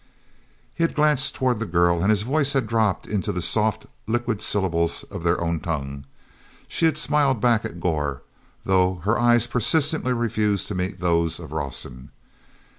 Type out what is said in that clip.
He had glanced toward the girl and his voice had dropped into the soft, liquid syllables of their own tongue. She had smiled back at Gor, though her eyes persistently refused to meet those of Rawson.